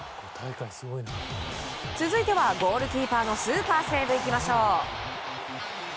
続いてはゴールキーパーのスーパーセーブいきましょう。